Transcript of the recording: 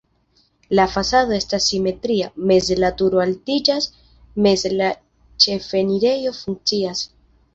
La fasado estas simetria, meze la turo altiĝas, meze la ĉefenirejo funkcias.